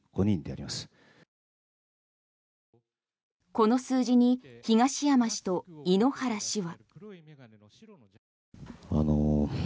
この数字に東山氏と井ノ原氏は。